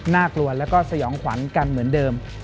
น่ากลัวแล้วก็สยองขวัญกันเหมือนเดิม